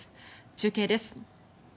中継です。